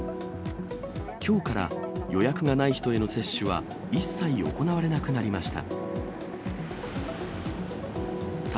きょうから予約がない人への接種は一切行われなくなりました。